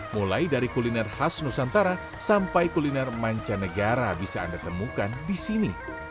mulai dari kuliner khas nusantara sampai kuliner mancanegara bisa anda temukan di sini